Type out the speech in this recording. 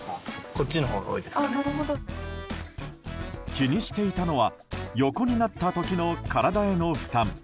気にしていたのは横になった時の体への負担。